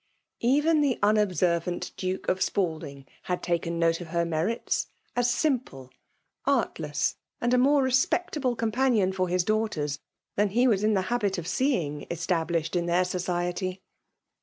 Even the unobservant Duke of Spal* ding had taken note of her merits, as simple, artless, and a more respectable companion for his daughters than he was in the habit of see ing established in their society.